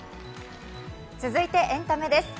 続いてエンタメです。